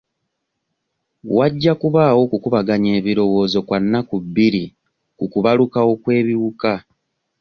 Wajja kubaawo okukubaganya ebirowoozo kwa nnaku bbiri ku kubalukawo kw'ebiwuka .